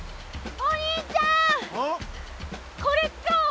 お兄ちゃんこれ使おう。